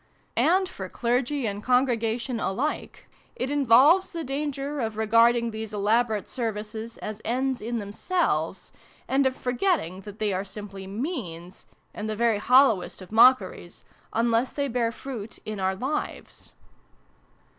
And, for Clergy and Con gregation alike, it involves the danger of regarding these elaborate Services as ends in themselves, and of forgetting that they are simply means, and the very hollo west of mockeries, unless they bear fruit in our lives.